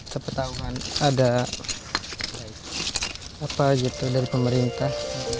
seperti tahu kan ada apa gitu dari pemerintah